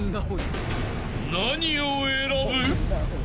［何を選ぶ？］